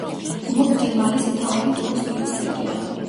მოპტი მალის მთავარი ტურისტული ცენტრია.